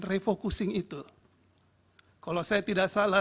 refocusing itu kalau saya tidak salah